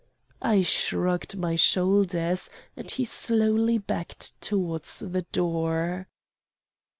"I shrugged my shoulders and he slowly backed towards the door.